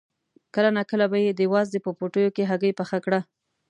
کله ناکله به یې د وازدې په پوټیو کې هګۍ پخه کړه.